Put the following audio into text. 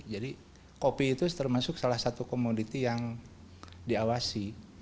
jadi kopi itu termasuk salah satu komoditi yang diawasi